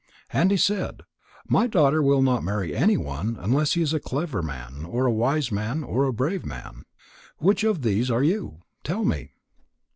And he said: "My daughter will not marry anyone unless he is a clever man or a wise man or a brave man. Which of these are you? Tell me."